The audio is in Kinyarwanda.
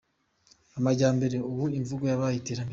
Amajyambere” : Ubu imvugo yabaye iterambere.